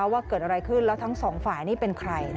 ว่าเกิดอะไรขึ้นแล้วทั้งสองฝ่ายนี่เป็นใคร